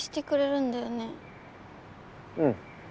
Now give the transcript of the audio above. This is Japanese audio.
うん。